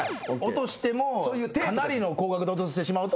落としてもかなりの高額で落としてしまうとちょっと損。